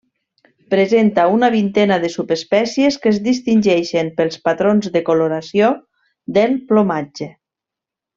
Presenta una vintena de subespècies, que es distingeixen pels patrons de coloració del plomatge.